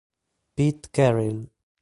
Pete Carril